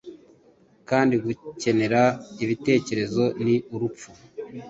Kandi gukenera Ibitekerezo ni urupfu;